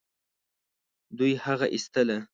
دوی هغه ايستله.